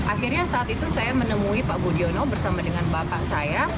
akhirnya saat itu saya menemui pak budiono bersama dengan bapak saya